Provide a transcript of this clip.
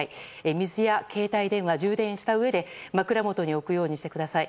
水や携帯電話、充電したうえで枕元に置くようにしてください。